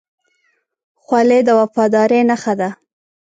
خولۍ د وفادارۍ نښه ده.